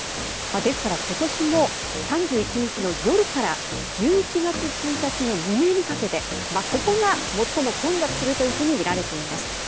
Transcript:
ですから今年も３１日の夜から１１月１日の未明にかけてここが最も混雑するというふうにみられています。